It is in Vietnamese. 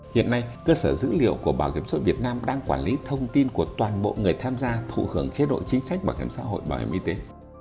hiện nay cơ sở dữ liệu của bảo hiểm xã hội việt nam đang quản lý thông tin của toàn bộ người tham gia thụ hưởng chế độ chính sách bảo hiểm xã hội bảo hiểm y tế